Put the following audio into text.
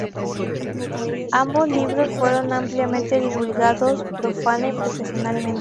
Ambos libros fueron ampliamente divulgados profana y profesionalmente.